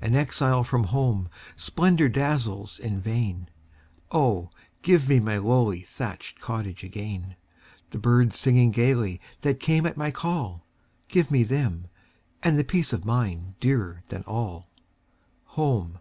An exile from home, splendor dazzles in vain:O, give me my lowly thatched cottage again! The birds singing gayly that came at my call;—Give me them,—and the peace of mind dearer than all! Home!